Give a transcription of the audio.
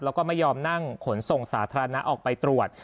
แล้วก็ไม่ยอมนั่งขนส่งสาธารณะออกไปตรวจ